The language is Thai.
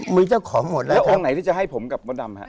มีเจ้าของหมดแล้วครับ